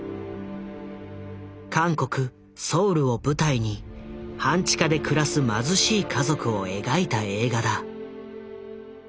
韓国・ソウルを舞台に半地下で暮らす貧しい家族を描いた映画だ。